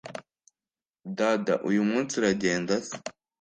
Dada uyu munsi uragenda se!